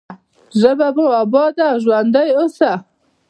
ژبه مو اباده او ژوندۍ اوسه.